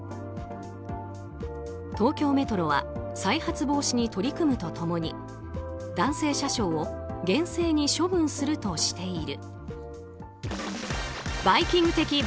東京メトロは再発防止に取り組むと共に男性車掌を厳正に処分するとしている。